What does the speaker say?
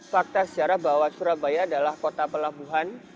fakta sejarah bahwa surabaya adalah kota pelabuhan